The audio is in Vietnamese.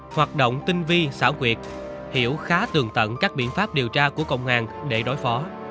hoạt động tinh vi xảo quyệt hiểu khá tường tận các biện pháp điều tra của công an để đối phó